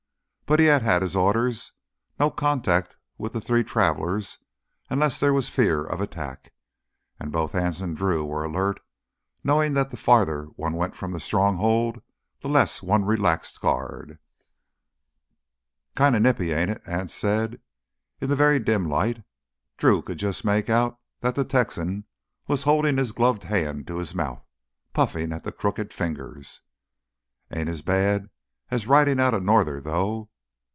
But he had had his orders: no contact with the three travelers unless there was fear of attack. And both Anse and Drew were alert, knowing that the farther one went from the Stronghold the less one relaxed guard. "Kinda nippy, ain't it?" Anse said. In the very dim light Drew could just make out that the Texan was holding his gloved hand to his mouth, puffing at the crooked fingers. "Ain't as bad as ridin' out a norther, though.